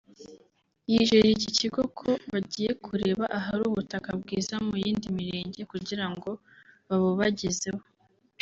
yijeje iki kigo ko bagiye kureba ahari ubutaka bwiza muy indi mirenge kugirango babubagezeho